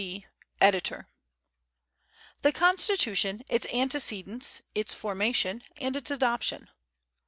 D., Editor THE CONSTITUTION ITS ANTECEDENTS, ITS FORMATION, AND ITS ADOPTION.